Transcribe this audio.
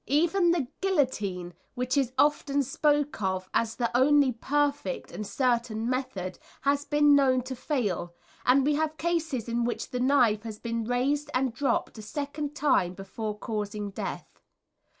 ] Even the guillotine, which is often spoken of as the only perfect and certain method, has been known to fail, and we have cases in which the knife has been raised and dropped a second time before causing death.